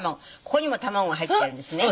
ここにも卵が入ってるんですね。